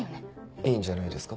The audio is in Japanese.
いいんじゃないですか。